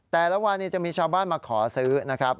แต่ละวันนี้จะมีชาวบ้านมาขอซื้อนะครับ